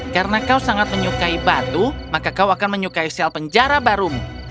karena kau sangat menyukai batu maka kau akan menyukai sel penjara barumu